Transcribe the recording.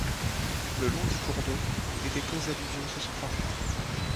Le long du cours d'eau, des dépôts alluviaux se sont formés.